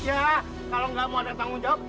ya kalau nggak mau ada tanggung jawab